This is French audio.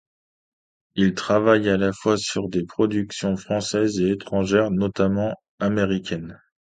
Il travaille à la fois sur des productions françaises et étrangères, notamment américaines.